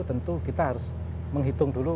tentu kita harus menghitung dulu